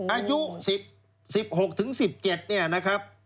อายุ๑๖ถึง๑๗เนี่ยนะครับ